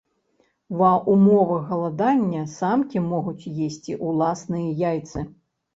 Ва ўмовах галадання самкі могуць есці ўласныя яйцы.